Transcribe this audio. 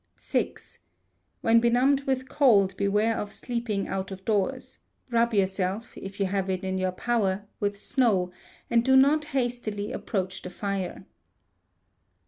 vi. When benumbed with cold beware of sleeping out of doors; rub yourself, if you have it in your power, with snow, and do not hastily approach the fire.